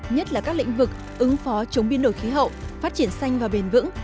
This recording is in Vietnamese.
nhất là các lĩnh vực ứng phó chống biên đổi khí hậu phát triển xanh và bền vững